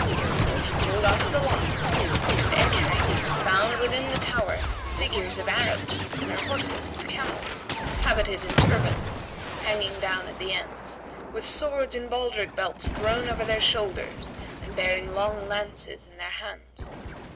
So he pulled off the locks and entering, found within the tower figures of Arabs on their horses and camels, habited in turbands[FN#140] hanging down at the ends, with swords in baldrick belts thrown over their shoulders and bearing long lances in their hands.